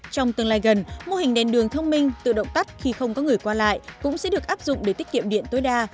trong tương lai gần mô hình đèn đường thông minh tự động cắt khi không có người qua lại cũng sẽ được áp dụng để tiết kiệm điện tối đa